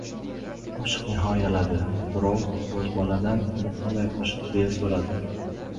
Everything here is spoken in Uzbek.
Qo‘shiq nihoyaladi. Birov bo‘zboladan: bu qanday qo‘shiq, deya so‘radi.